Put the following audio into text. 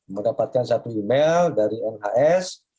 mendapatkan satu email dari nhs